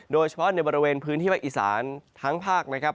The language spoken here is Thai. โดยเฉพาะในบริเวณพื้นที่ภาคอีสานทั้งภาคนะครับ